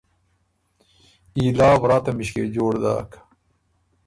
ایلا ورا تمِݭکې جوړ داک۔